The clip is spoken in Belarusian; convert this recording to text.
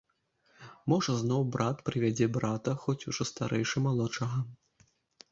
Можа, зноў брат прывядзе брата, хоць ужо старэйшы малодшага.